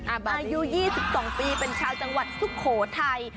อายุ๒๒ปีเป็นชาวจังหวัดสุโขทัย